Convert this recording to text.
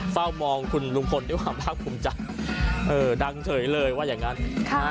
เฝ้ามองคุณลุงพลที่ความรักผมจะดังเถยเลยว่าอย่างนั้น